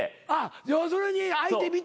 要するに相手見て。